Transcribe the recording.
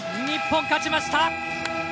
日本、勝ちました。